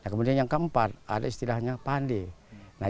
kemudian yang keempat ada istilahnya pandai